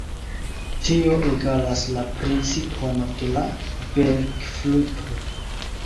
Tio egalas la principon de la bekfluto.